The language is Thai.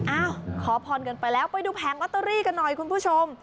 อ้าวขอพรกันไปแล้วไปดูแผงลอตเตอรี่กันหน่อยคุณผู้ชม